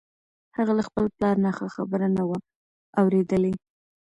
هغه له خپل پلار نه ښه خبره نه وه اورېدلې.